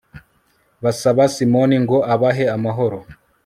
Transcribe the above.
basaba simoni ngo abahe amahoro